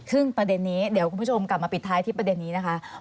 ซึ่งประเด็นนี้เดี๋ยวคุณผู้ชมกลับมาปิดท้ายที่ประเด็นนี้นะคะ